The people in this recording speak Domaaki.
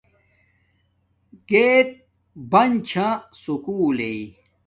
گیٹ بن چھا سکُول لݵ